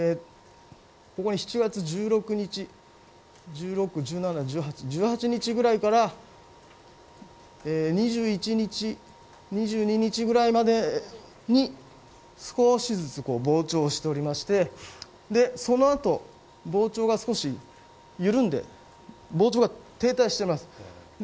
ここに７月１６日１７日１８日ぐらいから２２日ぐらいまでに少しずつ膨張しておりましてその後、膨張が少し緩んで膨張が停滞しています。